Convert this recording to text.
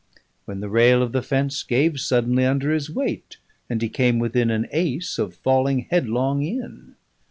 when the rail of the fence gave suddenly under his weight, and he came within an ace of falling headlong in.